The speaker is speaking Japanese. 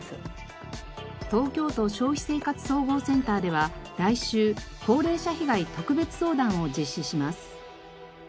東京都消費生活総合センターでは来週高齢者被害特別相談を実施します。